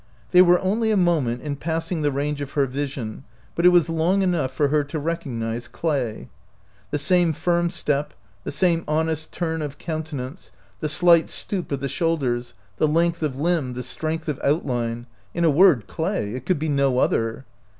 They were only, a moment in passing the range of her vision, but it was long enough for her to recognize Clay. The same firm step, the same honest turn of countenance, the slight stoop of the shoulders, the length of limb, the strength of outline — in a word; Clay; it could be no other.